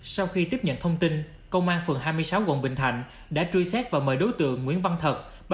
sau khi tiếp nhận thông tin công an phường hai mươi sáu quận bình thạnh đã truy xét và mời đối tượng nguyễn văn thật